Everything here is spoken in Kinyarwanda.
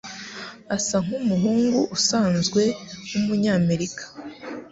Asa nkumuhungu usanzwe wumunyamerika.